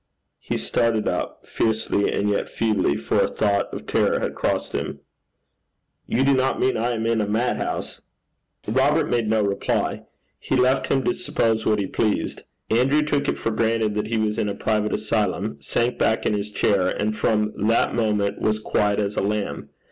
He started up fiercely and yet feebly, for a thought of terror had crossed him. 'You do not mean I am in a madhouse?' Robert made no reply. He left him to suppose what he pleased. Andrew took it for granted that he was in a private asylum, sank back in his chair, and from that moment was quiet as a lamb.